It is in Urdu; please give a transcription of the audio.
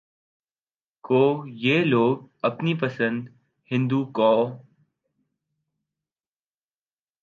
کو یہ لوگ اپنی بندوقوں